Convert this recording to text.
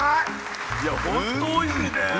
いやほんとおいしいね。